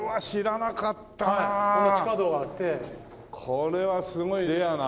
これはすごいレアな。